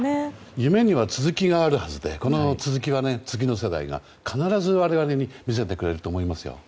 夢には続きがあるはずでこの続きは次の世代が必ず、我々に見せてくれると思いますよ。